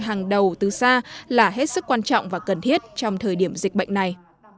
hàng đầu từ xa là hết sức quan trọng và cần thiết trong thời điểm dịch bệnh này